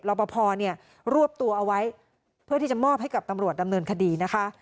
ปภเนี่ยรวบตัวเอาไว้เพื่อที่จะมอบให้กับตำรวจดำเนินคดีนะคะ